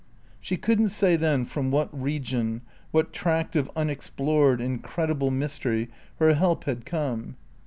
She couldn't say then from what region, what tract of unexplored, incredible mystery her help had come.